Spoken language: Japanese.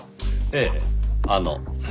ええあの。